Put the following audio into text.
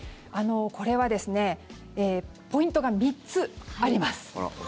これはポイントが３つあります。